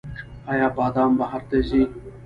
آیا بادام بهر ته ځي؟